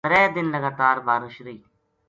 تَرے دن لگاتار بارش رہی۔